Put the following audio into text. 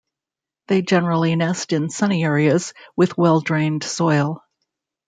They generally nest in sunny areas, with well drained soil.